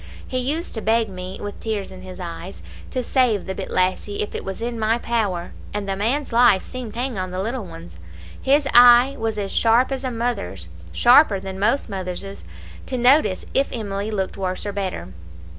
He used to beg me, with tears in his eyes, to save the bit lassie, if it was in my power, and the man's life seemed to hang on the little one's. His eye was as sharp as a mothers' sharper than most mothers' to notice if Emily looked worse or better.